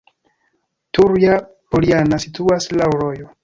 Turja-Poljana situas laŭ rojo.